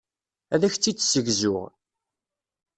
Ad ak-tt-id-ssegzuɣ.